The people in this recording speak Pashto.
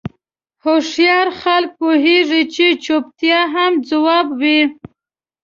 هوښیار خلک پوهېږي چې چوپتیا هم ځواب وي.